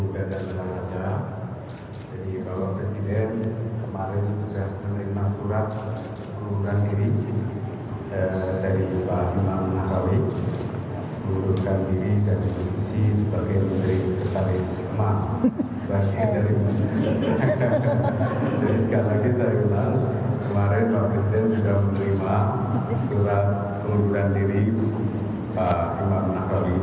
bapak presiden sudah menerima surat pengunduran diri pak imar nakrawi